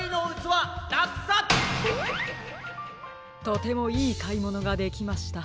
とてもいいかいものができました。